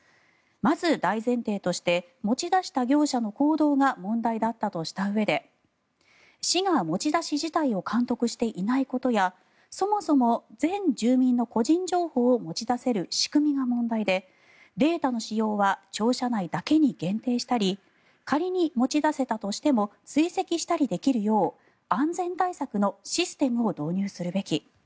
まず、大前提として持ち出した業者の行動が問題だったとしたうえで市が持ち出し自体を監督していないことやそもそも全住民の個人情報を持ち出せる仕組みが問題でデータの使用は庁舎内だけに限定したり仮に持ち出せたとしても追跡できるよう安全対策のシステムを導入するべき。